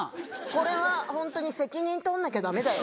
これはホントに責任取んなきゃダメだよ？